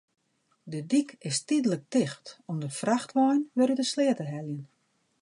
De dyk is tydlik ticht om de frachtwein wer út de sleat te heljen.